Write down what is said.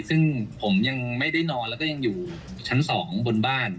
ซึ่งผมยังไม่ได้นอนแล้วก็ยังอยู่ชั้น๒บนบ้าน